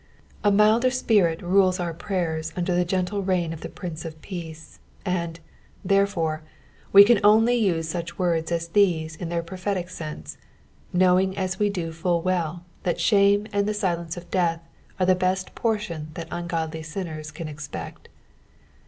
A milder Spirit rules our prayers under the gentle reign of the Prince of Peace, and, therefore, we can only use auch words as these in their prophetic sense, knowing as we do full well, U)at shame and the silence of death are the best portion that ungodly . sinners can expect.